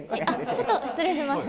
ちょっと失礼します。